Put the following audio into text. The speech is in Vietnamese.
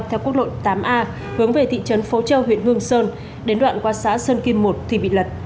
theo quốc lộ tám a hướng về thị trấn phố châu huyện hương sơn đến đoạn qua xã sơn kim một thì bị lật